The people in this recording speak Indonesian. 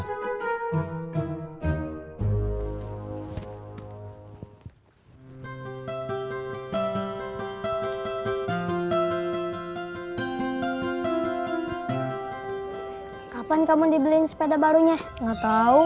kalau dia nyakitin kamu lagi gimana